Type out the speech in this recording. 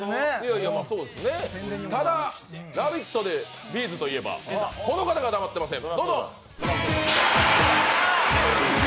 ただ、「ラヴィット！」でＢ’ｚといえば、この方が黙っていません！